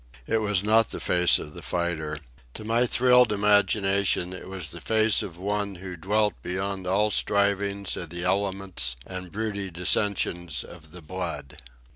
It was not the face of the fighter. To my thrilled imagination it was the face of one who dwelt beyond all strivings of the elements and broody dissensions of the blood.